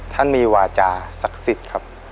ท่านมีวาจสักศิษย์ครับ